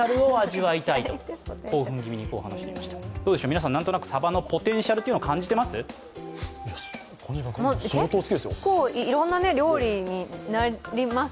皆さん、何となくサバのポテンシャルは感じてらっしゃいます？